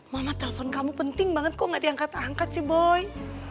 mama telepon kamu penting banget kok gak diangkat angkat sih boy